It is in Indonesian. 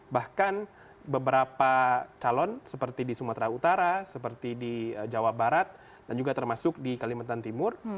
bahkan beberapa calon seperti di sumatera utara seperti di jawa barat dan juga termasuk di kalimantan timur